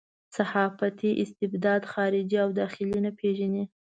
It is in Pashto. صحافتي استبداد خارجي او داخلي نه پېژني.